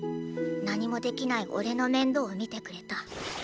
何もできないおれの面倒を見てくれた。